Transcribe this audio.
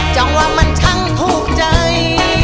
จังว่ามันทั้งทุกข์ใจ